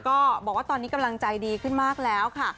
ก็บอกว่าตอนนี้กำลังใจดีขึ้นมากแล้วค่ะ